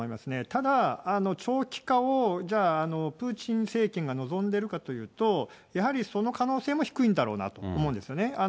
ただ、長期化を、じゃあプーチン政権が望んでいるかというと、やはりその可能性も低いんだろうなと思うんですね。